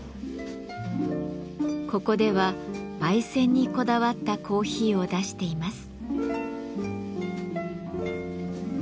ここでは焙煎にこだわったコーヒーを出しています。